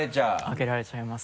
開けられちゃいます。